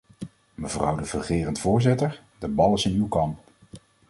Mevrouw de fungerend voorzitter, de bal is in uw kamp.